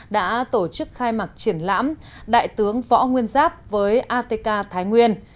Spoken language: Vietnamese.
đã tổ chức khai mạc triển lãm đại tướng võ nguyên giáp với atk thái nguyên